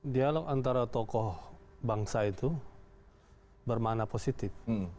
dialog antara tokoh bangsa itu bermana positif